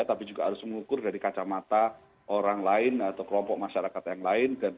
tapi juga harus mengukur dari kacamata orang lain atau kelompok masyarakat yang lain